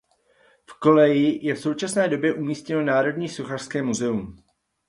V koleji je v současné době umístěno Národní sochařské muzeum.